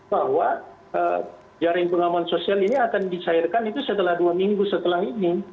bahwa jaring pengaman sosial ini akan dicairkan itu setelah dua minggu setelah ini